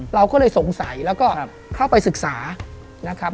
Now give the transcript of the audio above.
เราก็เลยสงสัยแล้วก็เข้าไปศึกษานะครับ